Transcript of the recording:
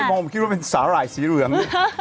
ผมคิดว่าเป็นสาหร่ายสีเหลือง